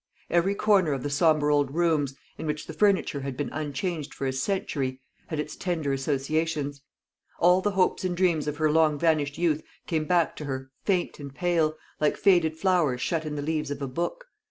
Every corner of the sombre old rooms in which the furniture had been unchanged for a century had its tender associations. All the hopes and dreams of her long vanished youth came back to her, faint and pale, like faded flowers shut in the leaves of a book.